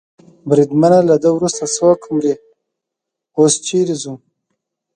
بریدمنه، له ده وروسته څوک مري؟ اوس چېرې ځو؟